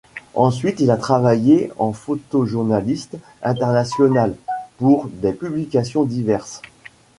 Ensuite il a travaillé en photojournaliste international pour des publications diverses.